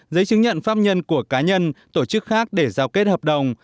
giấy chứng nhận pháp nhân của cá nhân tổ chức khác để giao kết hợp đồng